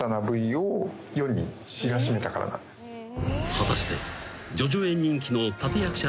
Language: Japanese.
［果たして］